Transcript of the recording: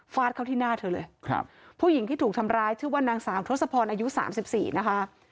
ฟาดเข้าที่หน้าเธอเลยผู้หญิงที่ถูกทำร้ายชื่อว่านางสามทศพรอายุ๓๔นะคะ